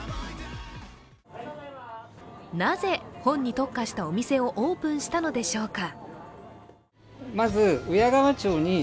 なぜ本に特化した店をオープンしたのでしょうか。